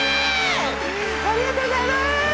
ありがとうございます。